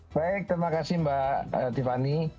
baik terima kasih mbak tiffany